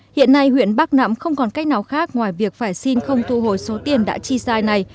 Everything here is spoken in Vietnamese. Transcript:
hiện nay huyện bắc nạm không còn cách nào khác ngoài việc phải xin không thu hồi số tiền đã chi sai này